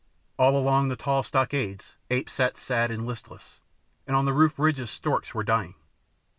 All along the tall stockades apes sat sad and listless, and on the roof ridges storks were dying.